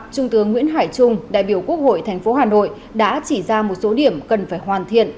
trung tướng nguyễn hải trung đại biểu quốc hội tp hà nội đã chỉ ra một số điểm cần phải hoàn thiện